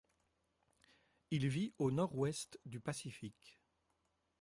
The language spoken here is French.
Il vit au nord ouest du Pacifique.